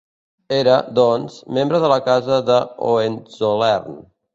Era, doncs, membre de la Casa de Hohenzollern.